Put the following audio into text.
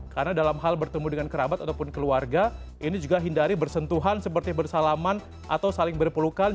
karena dalam hal bertemu dengan kerabat ataupun keluarga ini juga hindari bersentuhan seperti bersalaman atau saling berpelukan